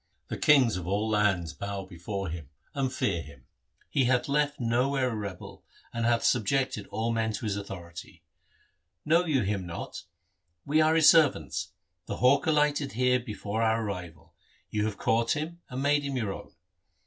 The kings of all lands bow before him, and fear him. He hath left nowhere a rebel, and hath subjected all men to his authority. Know you him not ? We are his servants. The hawk alighted here before our arrival. You have caught him, and made him your own.